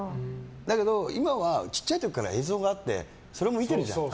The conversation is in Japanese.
だけど今はちっちゃい時から映像があってそれも見てるじゃない。